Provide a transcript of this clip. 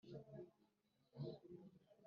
Ingingo ya Gahunda yo kuvugurura